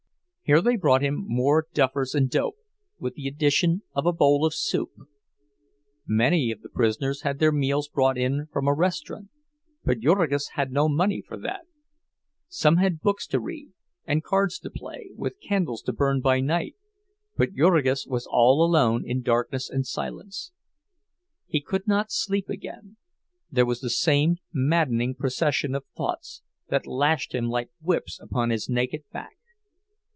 Here they brought him more "duffers and dope," with the addition of a bowl of soup. Many of the prisoners had their meals brought in from a restaurant, but Jurgis had no money for that. Some had books to read and cards to play, with candles to burn by night, but Jurgis was all alone in darkness and silence. He could not sleep again; there was the same maddening procession of thoughts that lashed him like whips upon his naked back.